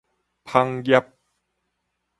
麭業